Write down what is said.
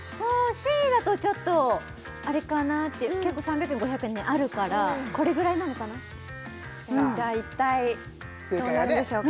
Ｃだとちょっとあれかなって結構３００円５００円あるからこれぐらいなのかなと一体どうなんでしょうか